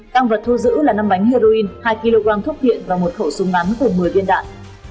tăng vật thu giữ là năm bánh heroin hai kg thuốc viện và một khẩu súng ngắn cùng một mươi viên đạn